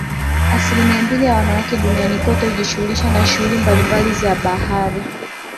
Asilimia mbili ya wanawake duniani kote hujishughulisha na shughuli mbalimbali za bahari